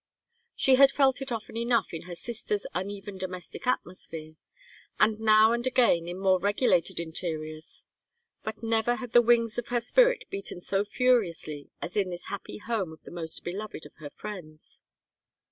She had felt it often enough in her sister's uneven domestic atmosphere, and now and again in more regulated interiors, but never had the wings of her spirit beaten so furiously as in this happy home of the most beloved of her friends.